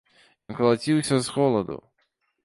Ён калаціўся з холаду.